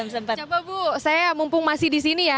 siapa bu saya mumpung masih di sini ya